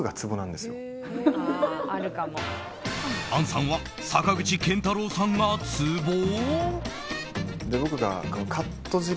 杏さんは坂口健太郎さんがツボ？